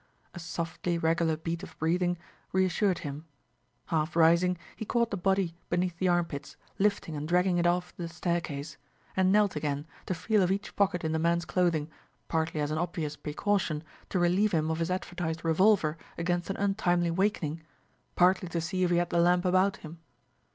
A softly regular beat of breathing reassured him. Half rising, he caught the body beneath the armpits, lifting and dragging it off the staircase; and knelt again, to feel of each pocket in the man's clothing, partly as an obvious precaution, to relieve him of his advertised revolver against an untimely wakening, partly to see if he had the lamp about him.